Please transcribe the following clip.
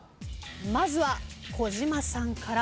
まずは児嶋さんから。